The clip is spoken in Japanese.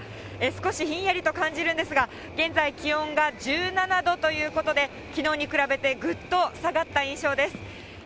少しひんやりと感じるんですが、現在、気温が１７度ということで、きのうに比べてぐっと下がった印象です。